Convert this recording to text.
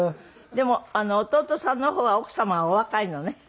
でも弟さんの方は奥様がお若いのね。